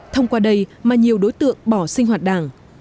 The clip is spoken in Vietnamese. thông qua đây mà nhiều đối tượng bỏ sinh hoạt đảng